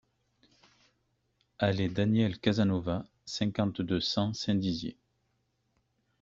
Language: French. Allée Danielle Casanova, cinquante-deux, cent Saint-Dizier